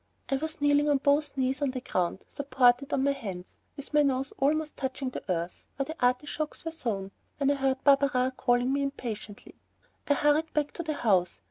I was kneeling on both knees on the ground, supported on my hands, with my nose almost touching the earth where the artichokes were sown, when I heard Barberin calling me impatiently. I hurried back to the house.